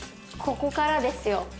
ここからですよ。